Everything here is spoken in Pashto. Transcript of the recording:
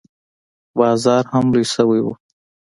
بازار هم لوى سوى و.